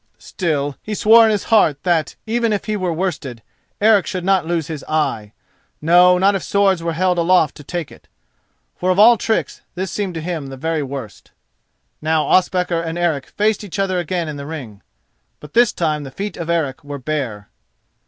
Still, he swore in his heart that, even if he were worsted, Eric should not lose his eye—no not if swords were held aloft to take it. For of all tricks this seemed to him the very worst. Now Ospakar and Eric faced each other again in the ring, but this time the feet of Eric were bare.